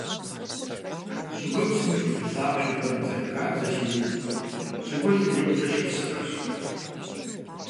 ЩӀыгупсым и Ӏуфэ лъахъшэхэм, зэрахабзэщи, щӀыгулъыр икъукӀэ щыпсыӀэщ.